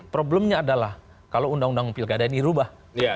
problemnya adalah kalau undang undang pilkada ini berubah